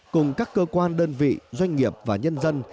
cùng các cơ quan đơn vị doanh nghiệp và nhân dân